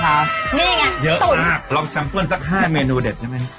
นี่ไงเยอะมากลองแซมเปิ้ลสัก๕เมนูเด็ดได้ไหม